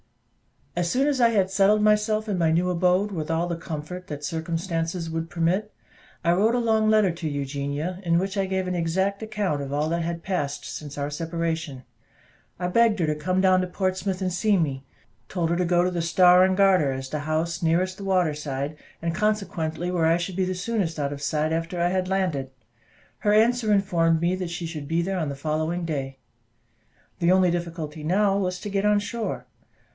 As soon as I had settled myself in my new abode, with all the comfort that circumstances would permit, I wrote a long letter to Eugenia, in which I gave an exact account of all that had passed since our separation; I begged her to come down to Portsmouth and see me; told her to go to the "Star and Garter," as the house nearest the water side, and consequently where I should be the soonest out of sight after I had landed. Her answer informed me that she should be there on the following day. The only difficulty now was to get on shore.